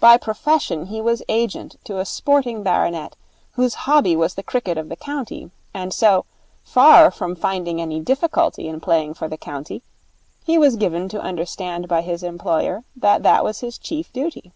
By profession he was agent to a sporting baronet whose hobby was the cricket of the county, and so, far from finding any difficulty in playing for the county, he was given to understand by his employer that that was his chief duty.